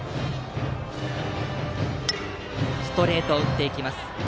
ストレートを打っていきます。